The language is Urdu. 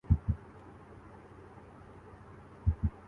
خدا تمہارر بھلا کرے